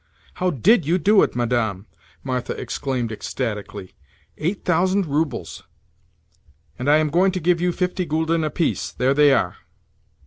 "How did you do it, Madame?" Martha exclaimed ecstatically. "Eight thousand roubles!" "And I am going to give you fifty gülden apiece. There they are."